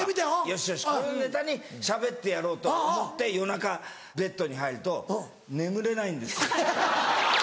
よしよしこれをネタにしゃべってやろうと思って夜中ベッドに入ると眠れないんですよ。